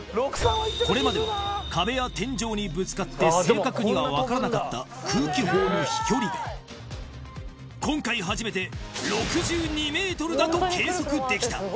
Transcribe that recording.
これまでは壁や天井にぶつかって正確には分からなかった空気砲の飛距離が今回初めてだと計測できた